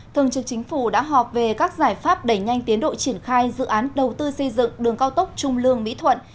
thường trực chính phủ đã họp về các giải pháp đẩy nhanh tiến độ triển khai dự án đầu tư xây dựng đường cao tốc trung lương mỹ thuận